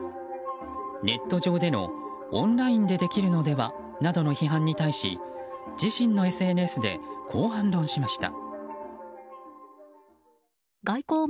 ネット上での、オンラインでできるのでは？などの批判に対し自身のＳＮＳでこう反論しました。